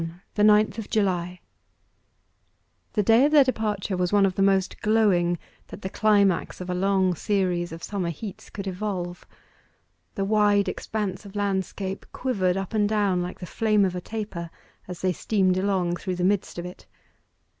THE NINTH OF JULY The day of their departure was one of the most glowing that the climax of a long series of summer heats could evolve. The wide expanse of landscape quivered up and down like the flame of a taper, as they steamed along through the midst of it.